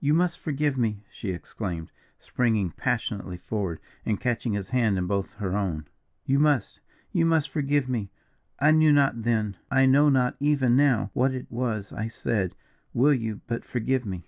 "You must forgive me," she exclaimed, springing passionately forward, and catching his hand in both her own, "you must you must forgive me. I knew not then, I know not even now, what it was I said will you but forgive me?"